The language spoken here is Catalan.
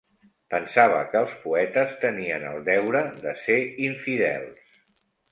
Pensava que els poetes tenien el deure de ser infidels.